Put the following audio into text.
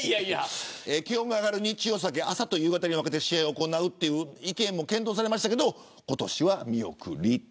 気温が上がる日中は避け朝と夕方に分けて試合をするという意見もありましたが、今年は見送り。